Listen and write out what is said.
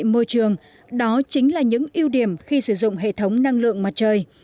môi trường đó chính là những ưu điểm khi sử dụng hệ thống năng lượng mặt trời